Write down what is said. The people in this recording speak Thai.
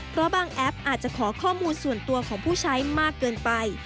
เพราะบางแอปอาจจะขอข้อมูลส่วนตัวของผู้ใช้มากเกินไป